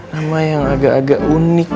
nama yang agak agak unik